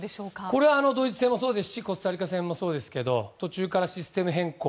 これはドイツ戦もそうですしコスタリカ戦もそうですけど途中からシステム変更。